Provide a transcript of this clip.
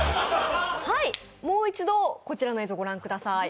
もう一度、こちらの映像ご覧ください。